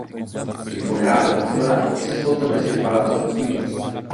Il funerale, con rito laico, si è svolto presso il Palazzo Rospigliosi.